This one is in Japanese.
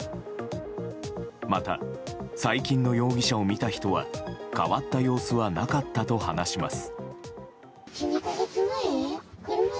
また、最近の容疑者を見た人は変わった様子はなかったと話します。